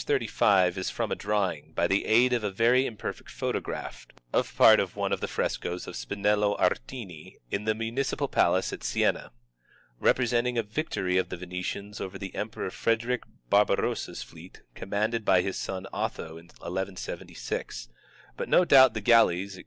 j^ is from a draw ing, by the aid of a very imperfect photograph, of part of one of the frescoes of Spinello Aretini in the Municipal Palace at Siena, representing a victory of the Venetians over the Emperor Frederick Barbarossa's fleet, commanded by his son Otho, in 1 176; but no doubt the galleys, &c.